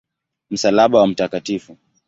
Msalaba wa Mt.